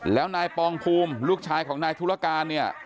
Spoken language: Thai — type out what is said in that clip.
แล้วนายปองภูมิลูกชายของนายธุรการเนี่ย